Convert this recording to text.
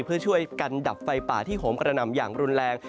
เพื่อช่วยกันดับไฟป่าที่โหมกระหน่ำอย่างรุนแรง